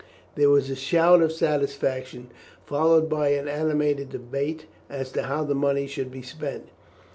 There was a shout of satisfaction, followed by an animated debate as to how the money should be spent.